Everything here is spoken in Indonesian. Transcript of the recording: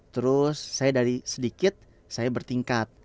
terus saya dari sedikit saya bertingkat